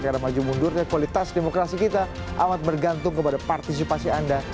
karena maju mundur dan kualitas demokrasi kita amat bergantung kepada partisipasi anda